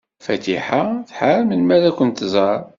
Fatiḥa tḥar melmi ara ken-tẓer.